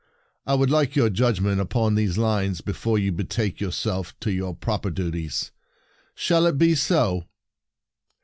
I would like your judgment upon these lines be fore you betake yourself to your proper duties. Shall it be so?"